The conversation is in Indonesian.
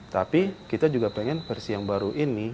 tapi kita juga pengen versi yang baru ini